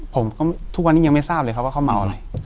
ทุกวันนี้ยังไม่ทราบเลยครับว่าเขาเมาอะไร